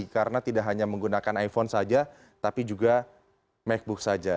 karena tidak hanya menggunakan iphone saja tapi juga makebook saja